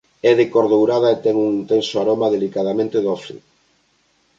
É de cor dourada e ten un intenso aroma delicadamente doce.